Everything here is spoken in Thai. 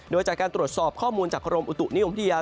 โดยจากการตรวจสอบข้อมูลจากกรมอุตุนิยมวิทยา